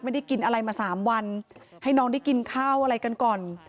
ไม่ได้กินอะไรมาสามวันให้น้องได้กินข้าวอะไรกันก่อน